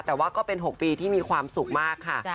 แต่ว่าก็เป็น๖ปีที่มีความสุขมากค่ะ